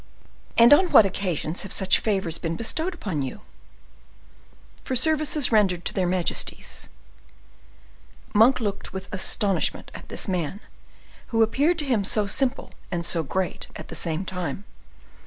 "And on what occasions have such favors been bestowed upon you?" "For services rendered to their majesties." Monk looked with astonishment at this man, who appeared to him so simple and so great at the same time.